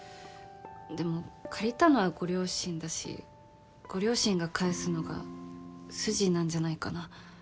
でも借りたのはご両親だしご両親が返すのが筋なんじゃないかな。